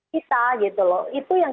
kita gitu loh itu yang